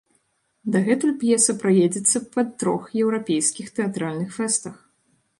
Дагэтуль п'еса праедзецца па трох еўрапейскіх тэатральных фэстах.